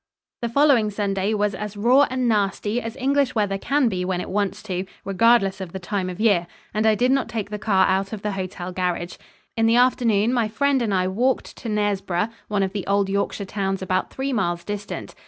The following Sunday was as raw and nasty as English weather can be when it wants to, regardless of the time of year, and I did not take the car out of the hotel garage. In the afternoon my friend and I walked to Knaresborough, one of the old Yorkshire towns about three miles distant.